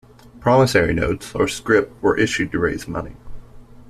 Promissory notes, or scrip, were issued to raise money.